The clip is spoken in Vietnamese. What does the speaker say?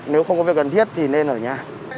nếu không có việc cần thiết thì nên ở nhà